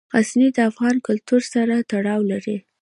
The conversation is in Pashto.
غزني د افغان کلتور سره تړاو لري.